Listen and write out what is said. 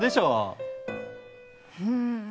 うん。